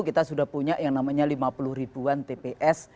kita sudah punya yang namanya lima puluh ribuan tps